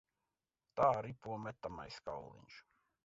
Tā ripo metamais kauliņš.